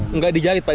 tidak dijahit pak